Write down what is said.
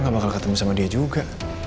gak bakal ketemu sama dia juga